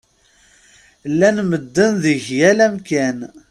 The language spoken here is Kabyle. Llan medden deg yal amkan.